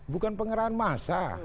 bukan pengarahan massa